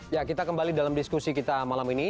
ya kita kembali dalam diskusi kita malam ini